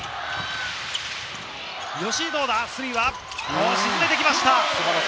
吉井はどうだ、スリーは沈めてきました。